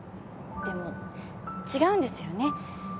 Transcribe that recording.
でも違うんですよね。